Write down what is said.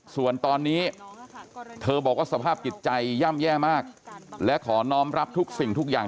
ส่วนตอนนี้เธอบอกว่าสภาพจิตใจย่ำแย่มากและขอน้องรับทุกสิ่งทุกอย่าง